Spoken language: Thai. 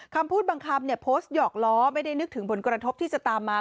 คำพูดบางคำโพสต์หยอกล้อไม่ได้นึกถึงผลกระทบที่จะตามมา